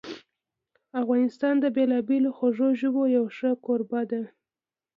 افغانستان د بېلابېلو خوږو ژبو یو ښه کوربه ده.